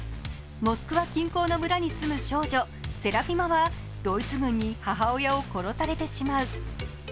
モスクワ近郊の村に住む少女、セラフィマはドイツ軍に母親を殺されてしまう。